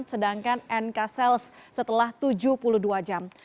sedangkan nk cells setelah tujuh puluh dua jam